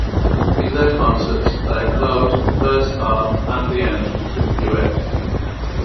In their concerts they closed the first half and the end, with duets.